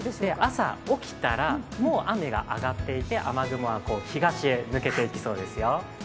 朝、起きたらもう雨があがっていて雨雲は東へ抜けていきそうですよ。